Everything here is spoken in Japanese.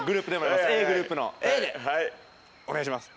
お願いします。